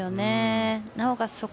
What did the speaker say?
なおかつ